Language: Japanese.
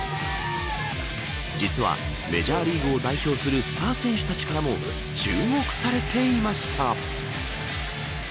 実は、メジャーリーグを代表するスター選手たちからも注目されていました。